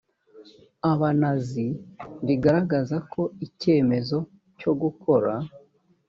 abanazi rigaragaza ko ikemezo cyo gukora